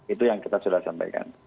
itu yang kita sudah sampaikan